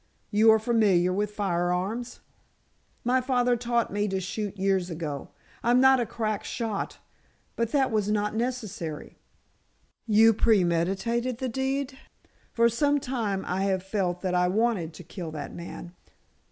"You are familiar with firearms?" "My father taught me to shoot years ago. I'm not a crack shot—but that was not necessary." "You premeditated the deed?" "For some time I have felt that I wanted to kill that man."